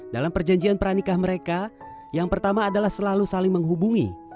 dalam perjanjian pernikah mereka yang pertama adalah selalu saling menghubungi